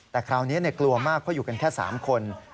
แต่คราวนี้กลัวมากเพราะอยู่กันแค่๓คน